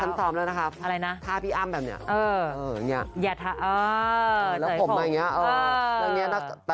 แต่ฉันทอมแล้วนะคะอะไรนะค่ะพี่อ้ำแบบเนี้ยเนี้ยอ่าอ่าอ่าอ่าอ่า